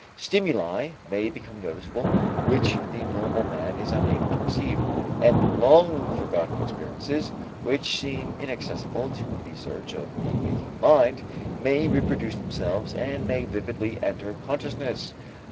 Stimuli may become noticeable which the normal man is unable to perceive, and long forgotten experiences which seem inaccessible to the search of the waking mind may reproduce themselves and may vividly enter consciousness.